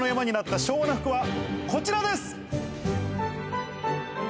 こちらです！